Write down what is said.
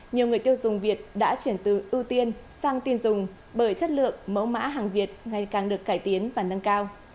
nhiều người tiêu dùng việt đã chuyển từ ưu tiên sang tin dùng bởi chất lượng mẫu mã hàng việt ngày càng được cải tiến và nâng cao